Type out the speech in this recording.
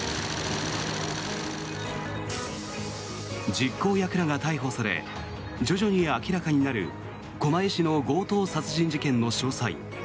実行役らが逮捕され徐々に明らかになる狛江市の強盗殺人事件の詳細。